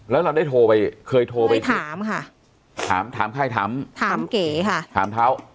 แล้วเราได้โทรไปเคยโทรไปถามค่ะถามถามใครถามถามเก๋ค่ะถามเท้า